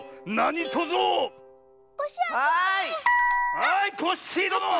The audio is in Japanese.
はいコッシーどの！